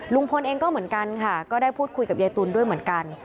ลุงพลเองก็เหมือนกันค่ะก็ได้พูดคุยกับยายตุ๋นด้วยเหมือนกัน